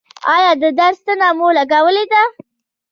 ایا د درد ستنه مو لګولې ده؟